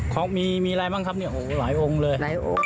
ของมีแม่คำเมียล้ายอมเลย